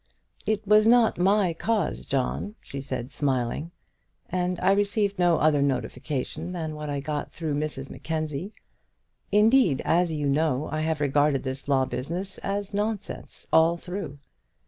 "It was not my cause, John," she said, smiling, "and I received no other notification than what I got through Mrs Mackenzie. Indeed, as you know, I have regarded this law business as nonsense all through.